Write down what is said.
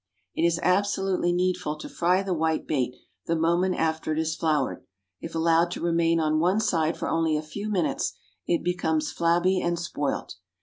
It is absolutely needful to fry the whitebait the moment after it is floured; if allowed to remain on one side for only a few minutes, it becomes flabby and spoilt.